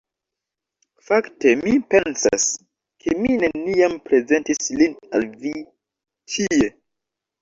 Fakte, mi pensas, ke mi neniam prezentis lin al vi. Tie!